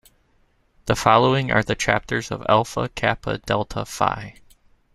The following are the chapters of alpha Kappa Delta Phi.